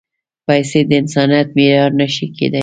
پېسې د انسانیت معیار نه شي کېدای.